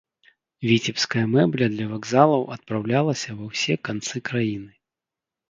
Віцебская мэбля для вакзалаў адпраўлялася ва ўсе канцы краіны.